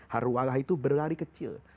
harwalah itu berlari kecil